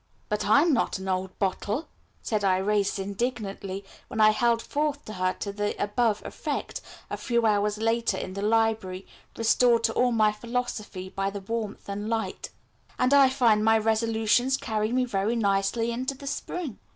"But I am not an old bottle," said Irais indignantly, when I held forth to her to the above effect a few hours later in the library, restored to all my philosophy by the warmth and light, "and I find my resolutions carry me very nicely into the spring.